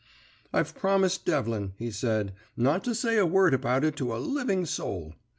"'I've promised Devlin,' he said, 'not to say a word about it to a living soul.